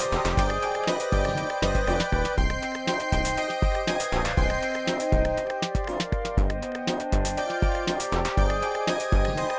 hati hati di jalan